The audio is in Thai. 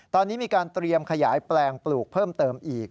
ตอนนี้มีการเตรียมขยายแปลงปลูกเพิ่มเติมอีก